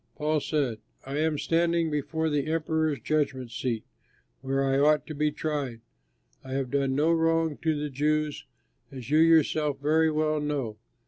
Paul said, "I am standing before the Emperor's judgment seat, where I ought to be tried. I have done no wrong to the Jews, as you yourself very well know.